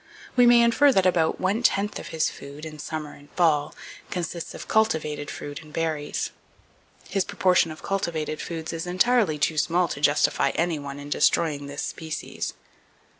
We may infer that about one tenth of his food, in summer and fall, consists of cultivated fruit and berries. His proportion of cultivated foods is entirely too small to justify any one in destroying this species.